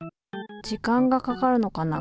時間がかかるのかな？